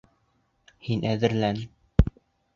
Һин әҙерлән...